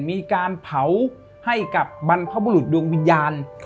มีการเผาให้กับบรรพบุรุษดวงวิญญาณ